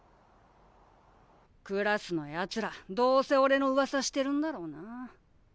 クラスのやつらどうせおれのうわさしてるんだろうな。